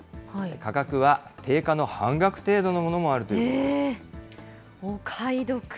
価格は定価の半額程度のものもあるということです。